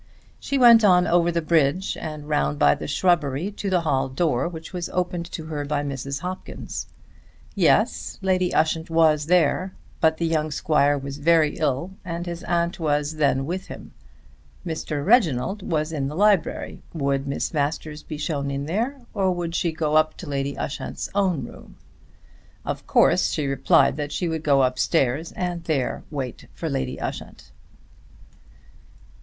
She went on over the bridge, and round by the shrubbery to the hall door which was opened to her by Mrs. Hopkins. Yes, Lady Ushant was there; but the young Squire was very ill and his aunt was then with him. Mr. Reginald was in the library. Would Miss Masters be shown in there, or would she go up to Lady Ushant's own room? Of course she replied that she would go up stairs and there wait for Lady Ushant.